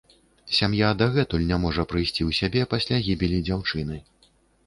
Сям'я дагэтуль не можа прыйсці ў сябе пасля гібелі дзяўчыны.